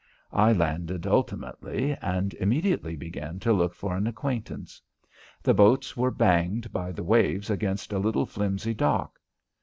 I landed, ultimately, and immediately began to look for an acquaintance. The boats were banged by the waves against a little flimsy dock.